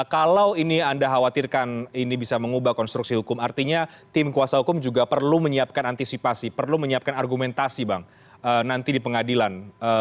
kalau ini anda khawatirkan ini bisa mengubah konstruksi hukum artinya tim kuasa hukum juga perlu menyiapkan antisipasi perlu menyiapkan argumentasi bang nanti di pengadilan